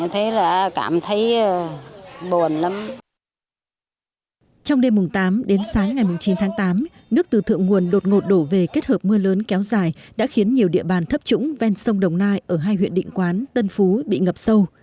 trong đêm tám đến sáng ngày chín tháng tám nước từ thượng nguồn đột ngột đổ về kết hợp mưa lớn kéo dài đã khiến nhiều địa bàn thấp trũng ven sông đồng nai ở hai huyện định quán tân phú bị ngập sâu